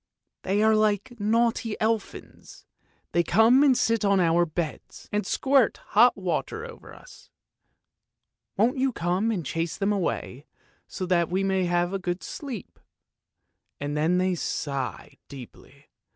They are like naughty elfins; they come and sit on our beds and squirt hot water over us. Won't you come and chase them away so that we may have a good sleep ?' and then they sigh deeply.